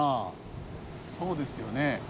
そうですよね。